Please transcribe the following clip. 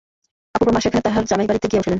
অপূর্বর মা সেখানে তাঁহার জামাইবাড়িতে গিয়া উঠিলেন।